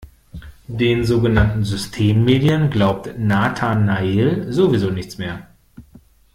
Den sogenannten Systemmedien glaubt Nathanael sowieso nichts mehr.